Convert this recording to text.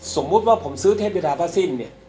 สมมุติว่าผมซื้อเทพวิทาผ้าสิ้นเนี่ย